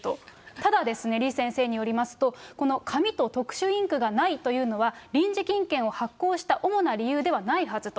ただ、李先生によりますと、この紙と特殊インクがないというのは、臨時金券を発行した主な理由ではないはずと。